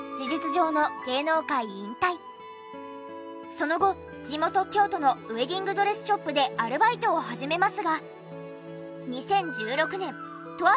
その後地元京都のウェディングドレスショップでアルバイトを始めますが。